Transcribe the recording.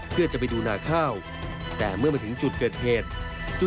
เพื่อจะไปดูนาข้าวแต่เมื่อมาถึงจุดเกิดเหตุ